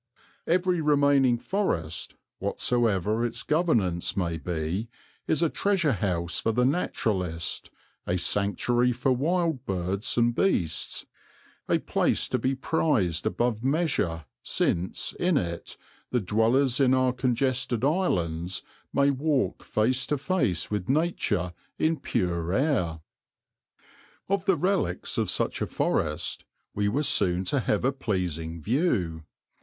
Every remaining forest, whatsoever its governance may be, is a treasure house for the naturalist, a sanctuary for wild birds and beasts, a place to be prized above measure since, in it, the dwellers in our congested islands may walk face to face with wild nature in pure air. Of the relics of such a forest we were soon to have a pleasing view.